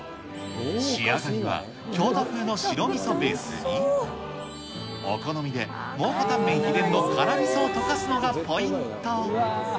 仕上がりは京都風の白みそベースに、お好みで蒙古タンメン秘伝の辛みそを溶かすのがポイント。